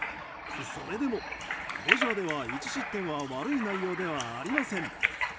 それでもメジャーでは、１失点は悪い内容ではありません。